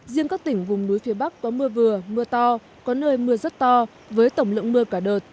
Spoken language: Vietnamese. riêng các tỉnh vùng núi phía bắc có mưa vừa mưa to có nơi mưa rất to với tổng lượng mưa cả đợt